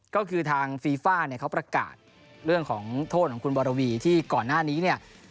ก็คือทางฟีฟ่าเนี่ยแล้วที่ก่อนหน้านี้ทีเนี่ย